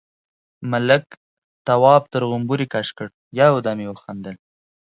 ملک، تواب تر غومبري کش کړ، يو دم يې وخندل: